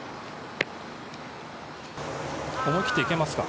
思い切っていけますか？